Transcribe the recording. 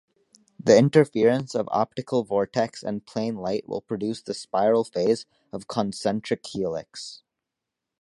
The interference of optical vortex and plane light will produce the spiral phase of concentric helix.